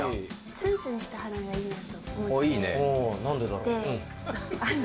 ツンツンした花がいいなと思いいね。